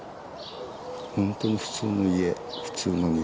本当に普通の家普通の庭。